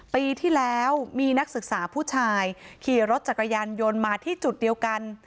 ปีที่แล้วมีนักศึกษาผู้ชายขี่รถจักรยานยนต์มาที่จุดเดียวกัน